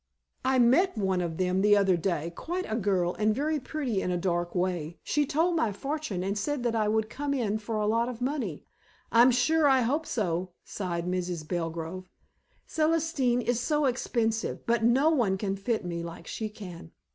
I met one of them the other day quite a girl and very pretty in a dark way. She told my fortune, and said that I would come in for a lot of money. I'm sure I hope so," sighed Mrs. Belgrove. "Celestine is so expensive, but no one can fit me like she can.